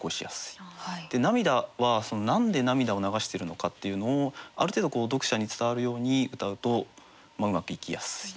「涙」は何で涙を流してるのかっていうのをある程度読者に伝わるようにうたうとうまくいきやすい。